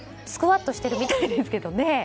スクワットしてるみたいですね。